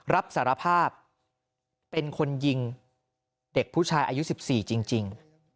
รับสารภาพเป็นคนยิงเด็กผู้ชายอายุ๑๔จริง